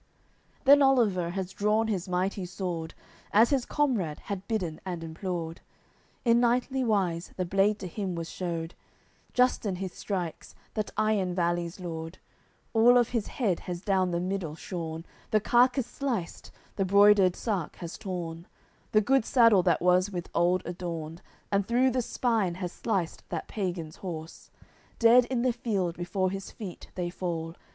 AOI. CVII Then Oliver has drawn his mighty sword As his comrade had bidden and implored, In knightly wise the blade to him has shewed; Justin he strikes, that Iron Valley's lord, All of his head has down the middle shorn, The carcass sliced, the broidered sark has torn, The good saddle that was with old adorned, And through the spine has sliced that pagan's horse; Dead in the field before his feet they fall.